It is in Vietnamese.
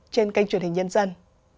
trên kênh truyền hình nhân dân